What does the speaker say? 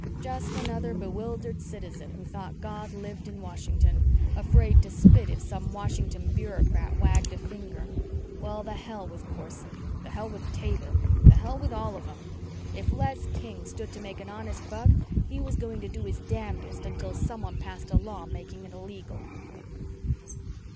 Just another bewildered citizen who thought God lived in Washington. Afraid to spit if some Washington bureaucrat wagged a finger. Well, the hell with Corson. The hell with Taber. The hell with all of them. If Les King stood to make an honest buck, he was going to do his damnedest until somebody passed a law making it illegal.